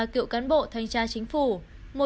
ba cựu cán bộ thanh tra chính phủ